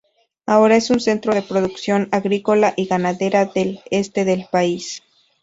Ahora es un centro de producción agrícola y ganadera del este del país.